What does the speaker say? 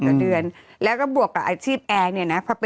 เป็นเดือนแล้วก็บวกอาชีพแอร์นี่นะ